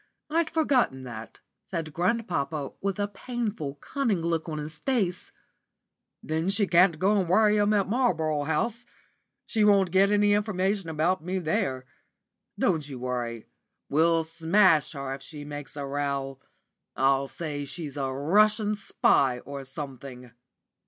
I'd forgotten that," said grandpapa, with a painful, cunning look on his face, "then she can go and worry 'em at Marlborough House. She won't get any information about me there. Don't you bother. We'll smash her if she makes a row. I'll say she's a Russian spy or something.